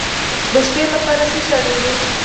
د شپې لپاره څه شی اړین دی؟